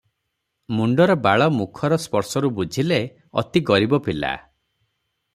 ମୁଣ୍ଡର ବାଳ ମୁଖର ସ୍ପର୍ଶରୁ ବୁଝିଲେ, ଅତି ଗରିବ ପିଲା ।